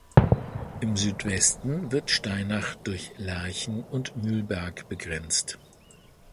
Im Südwesten wird Steinach durch Lerchen- und Mühlberg begrenzt.